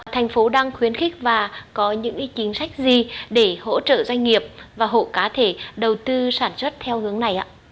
thành phố đang khuyến khích và có những chính sách gì để hỗ trợ doanh nghiệp và hộ cá thể đầu tư sản xuất theo hướng này ạ